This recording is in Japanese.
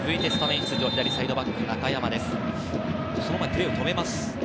プレーを止めます。